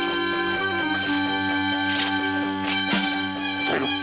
答えろ！